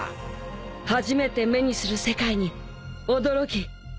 ［初めて目にする世界に驚き喜びそして］